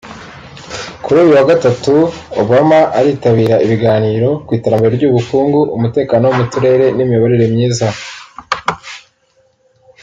Kuri uyu wa Gatatu Obama aritabira ibiganiro ku iterambere ry’ubukungu; umutekano wo mu turere n’imiyoborere myiza